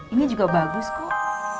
ini juga bagus kok